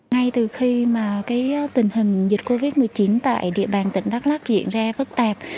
ngay từ khi mà tình hình dịch covid một mươi chín tại địa bàn tỉnh đắk lắc diễn ra phức tạp